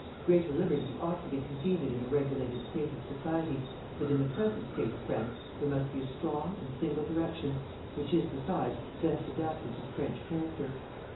Greater liberty ought to be conceded in a regulated state of society, but in the present state of France there must be a strong and single direction, which is, besides, best adapted to the French character.